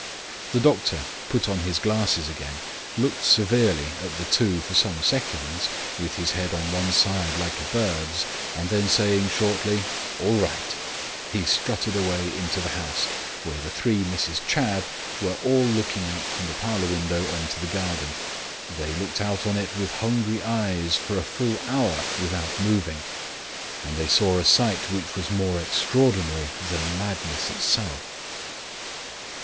The doctor put on his glasses again, looked severely at the two for some seconds, with his head on one side like a bird's, and then saying, shortly, "All right," strutted away into the house, where the three Misses Chadd were all looking out from the parlour window on to the garden. They looked out on it with hungry eyes for a full hour without moving, and they saw a sight which was more extraordinary than madness itself.